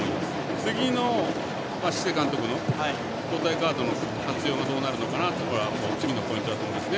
次のシセ監督の交代カードの活用はどうなるのかが次のポイントだと思いますね。